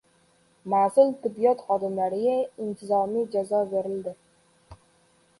Mas’ul tibbiyot xodimlariga intizomiy jazo berildi